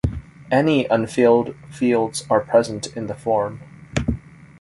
Any unfilled fields are present in the form.